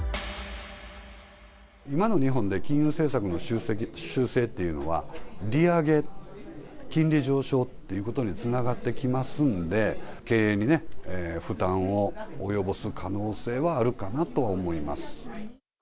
今の日本で金融政策の修正っていうのは、利上げ、金利上昇っていうことにつながってきますんで、経営に負担を及ぼす可能性はあるかなとは思います。